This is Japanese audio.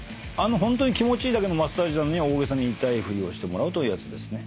ホントに気持ちいいだけのマッサージなのに大げさに痛いふりをしてもらうというやつですね。